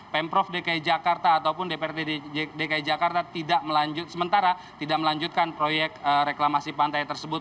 pemprov dki jakarta ataupun dprd dki jakarta tidak melanjutkan proyek reklamasi pantai tersebut